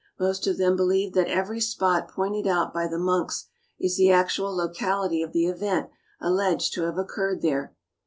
Most of them believe that every spot pointed out by the monks is the actual locality of the event alleged to have occurred there.